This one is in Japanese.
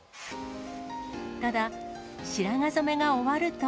ただ、白髪染めが終わると。